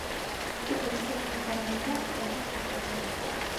Тик өләсәһенә ҡарағанда атаһы аҙ һүҙлерәк.